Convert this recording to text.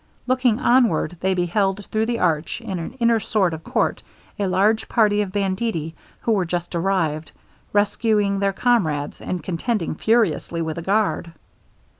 Looking onward, they beheld through the arch, in an inner sort of court, a large party of banditti who were just arrived, rescuing their comrades, and contending furiously with the guard.